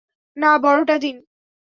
না, বড়টা দিন!